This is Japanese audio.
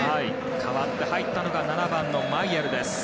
代わって入ったのが７番のマイェルです。